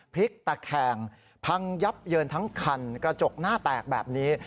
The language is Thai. พลิกตะแคงพังยับเยินทั้งคันกระจกหน้าแตกแบบนี้